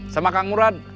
sama kang murad